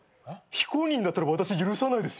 非公認だったら私許さないですよ。